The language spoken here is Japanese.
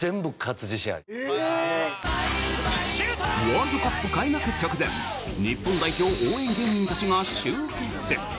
ワールドカップ開幕直前日本代表応援芸人たちが集結。